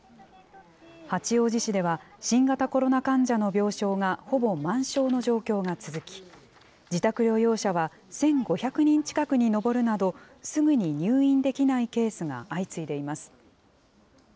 八王子市では、新型コロナ患者の病床がほぼ満床の状況が続き、自宅療養者は１５００人近くに上るなど、すぐに入院できないケースが相次いでいます。